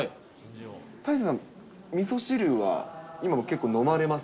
大勢さん、みそ汁は今も結構飲まれます？